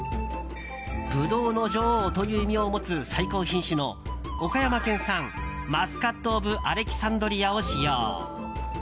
ブドウの女王という異名を持つ最高品種の岡山県産マスカット・オブ・アレキサンドリアを使用。